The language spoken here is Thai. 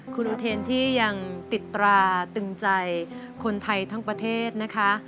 คุณอุเทนที่ยังติดตราตึงใจคนไทยทั้งประเทศนะคะ